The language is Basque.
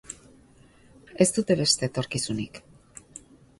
Ez dute beste etorkizunik.